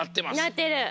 なってる。